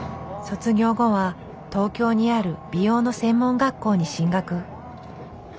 卒業後は東京にある美容の専門学校に進学。